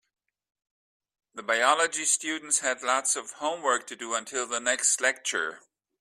The biology students had lots of homework to do until the next lecture.